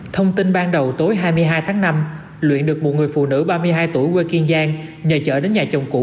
thông tin ban đầu tối hai mươi hai tháng năm luyện được một người phụ nữ ba mươi hai tuổi quê kiên giang nhờ chở đến nhà chồng cũ